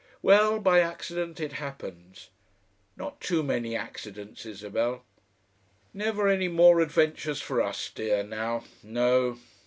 "Well, by accident it happens. Not too many accidents, Isabel. Never any more adventures for us, dear, now. No!...